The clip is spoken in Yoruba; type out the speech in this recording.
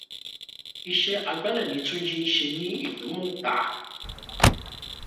Iṣẹ́ agbálẹ̀ ni Túnjí ń ṣe ní Ìdúmọ̀tà.